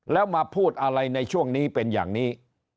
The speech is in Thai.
แล้วมาพูดอะไรในช่วงนี้เป็นอย่างนี้